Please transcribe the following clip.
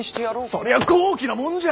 そりゃ豪気なもんじゃ！